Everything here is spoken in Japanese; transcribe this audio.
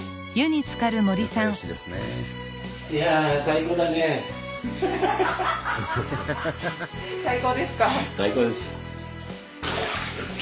最高ですか？